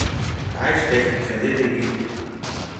Ашьҭахь иԥхьаӡеит егьи.